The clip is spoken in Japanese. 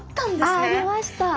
そう！ありました。